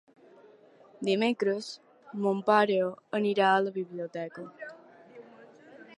Dimecres mon pare anirà a la biblioteca.